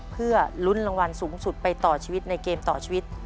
เพื่อลุ้นรางวัลสูงสุดไปต่อชีวิตในเกมต่อชีวิต